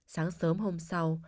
sáng sớm hôm sau